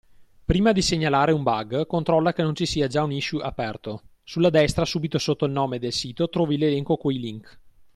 Prima di segnalare un bug controlla che non ci sia già un issue aperto, sulla destra subito sotto il nome del sito trovi l'elenco coi link.